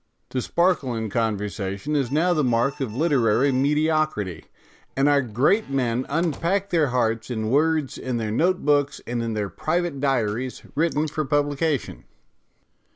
To sparkle in conversation is now the mark of literary mediocrity, and our great men unpack their 279 280 MONOLOGUES hearts in words in their notebooks and in their private diaries written for publication.